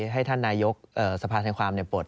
ให้ท่านนายกสภาธนายความปลด